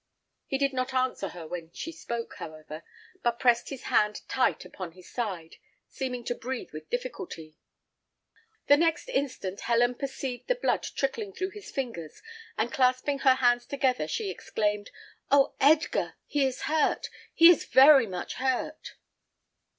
He did not answer her when she spoke, however, but pressed his hand tight upon his side, seeming to breathe with difficulty. The next instant Helen perceived the blood trickling through his fingers, and clasping her hands together, she exclaimed, "Oh, Edgar! he is hurt, he is very much hurt!"